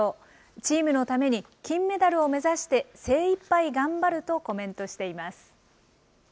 チームのために、金メダルを目指して精いっぱい頑張るとコメントしています。